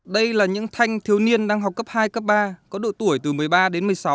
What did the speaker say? đây là những thanh thiếu niên đang học cấp hai cấp ba có độ tuổi từ một mươi ba đến một mươi sáu